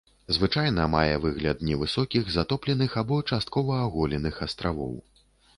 Звычайна мае выгляд невысокіх затопленых або часткова аголеных астравоў.